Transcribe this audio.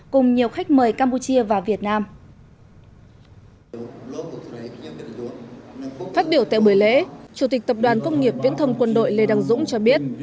cùng nhiều khách mời campuchia vào